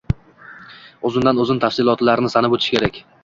uzundan uzun tafsilotlarni sanab o‘tish kerak.